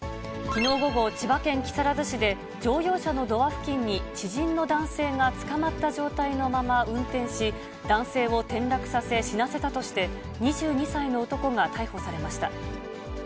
きのう午後、千葉県木更津市で乗用車のドア付近に知人の男性がつかまった状態のまま運転し、男性を転落させ、死なせたとして、２２歳の男が逮捕されました。